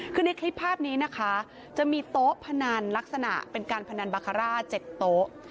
คือในคลิปภาพนี้นะคะจะมีโต๊ะพนันลักษณะเป็นการพนันบาคาร่า๗โต๊ะ